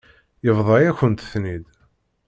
Yebḍa-yakent-ten-id.